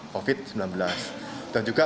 covid sembilan belas tidak mempengaruhi